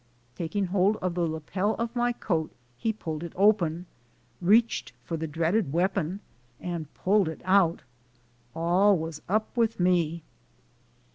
Taking hold of the lapel of my coat, he pulled it open, reached for the dreaded weapon and pulled it out. All was up with me!